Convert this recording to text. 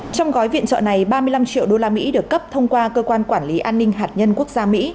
trong gói viện trợ này ba mươi năm triệu usd được cấp thông qua cơ quan quản lý an ninh hạt nhân quốc gia mỹ